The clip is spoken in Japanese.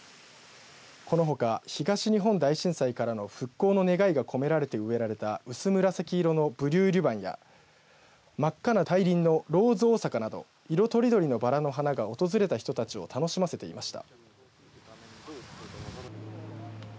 このほか東日本大震災からの復興の願いが込められて植えられた薄紫色のブルーリュバンや真っ赤な大輪のローズオオサカなど色とりどりのバラの花が訪れた人たちを楽しませていました。